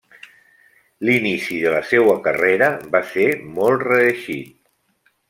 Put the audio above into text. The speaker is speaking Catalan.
L'inici de la seua carrera va ser molt reeixit.